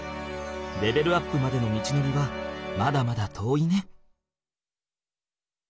レベルアップまでの道のりはまだまだ遠いね。